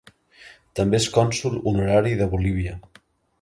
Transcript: També és cònsol honorari de Bolívia.